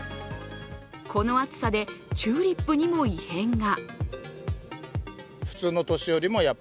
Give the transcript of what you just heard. この暑さでチューリップにも異変が。